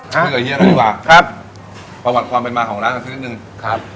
คุยกับเฮียกันดีกว่าประวัติความเป็นมาของร้านสักสิ้นนึงเปิดมาทั้งหมดครับ